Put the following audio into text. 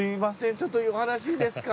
ちょっとお話いいですか？